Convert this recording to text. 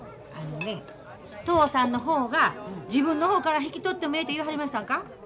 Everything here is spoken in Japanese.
あのね嬢さんの方が自分の方から引き取ってもええて言わはりましたんか？